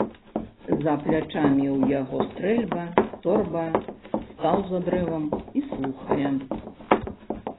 За плячамі ў яго стрэльба, торба, стаў за дрэвам і слухае.